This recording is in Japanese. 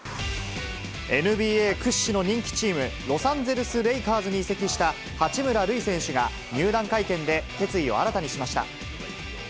ＮＢＡ屈指の人気チーム、ロサンゼルス・レイカーズに移籍した八村塁選手が、入団会見で決意を新たにしました。